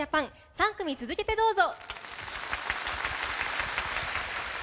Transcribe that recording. ３組続けてどうぞ。